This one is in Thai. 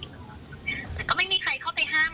ที่อยู่แถวนั้นเขาเหมือนเขียนรถผ่านเขาก็ตะโกนว่านั่นแหละค่ะ